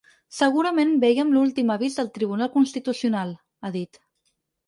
Segurament veiem l’últim avís del Tribunal Constitucional, ha dit.